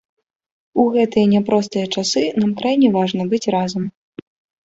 У гэтыя няпростыя часы, нам крайне важна быць разам.